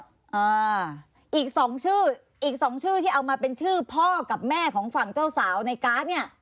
อ่าอีกสองชื่ออีกสองชื่อที่เอามาเป็นชื่อพ่อกับแม่ของฝั่งเจ้าสาวในการ์ดเนี่ย